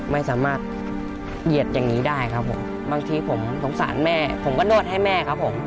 ไม่สามารถเหยียดอย่างนี้ได้ครับผมบางทีผมสงสารแม่ผมก็นวดให้แม่ครับผม